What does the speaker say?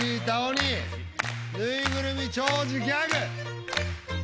ぬいぐるみ弔辞ギャグ。